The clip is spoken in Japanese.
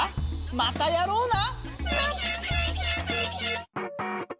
またやろうな！な！